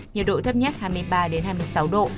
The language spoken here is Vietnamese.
nhiệt độ thấp nhất hai mươi ba hai mươi sáu độ